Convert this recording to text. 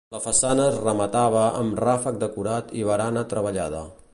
La façana es rematava amb ràfec decorat i barana treballada.